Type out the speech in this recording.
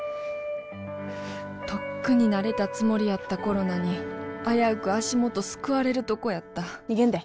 とっくに慣れたつもりやったコロナに危うく足元すくわれるとこやった逃げんで。